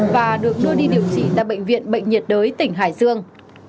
và được đưa đi điều trị tại bệnh viện bệnh nhiệt đới tỉnh hải dương